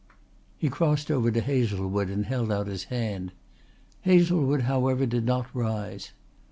He crossed over to Hazlewood and held out his hand. Hazlewood, however, did not rise.